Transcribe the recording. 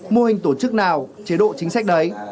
mô hình tổ chức nào chế độ chính sách đấy